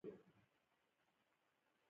وروسته مبادلو وده وکړه او دا پخوانی حالت بدل شو